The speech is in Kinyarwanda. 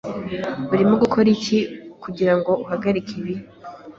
Urimo ukora iki kugirango uhagarike ibi?